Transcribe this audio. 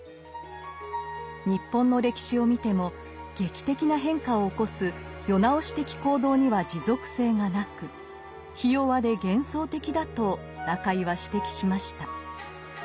日本の歴史を見ても劇的な変化を起こす「世直し」的行動には持続性がなくひ弱で幻想的だと中井は指摘しました。